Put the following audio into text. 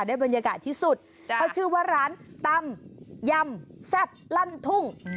บรรยากาศที่สุดเขาชื่อว่าร้านตำยำแซ่บลั่นทุ่ง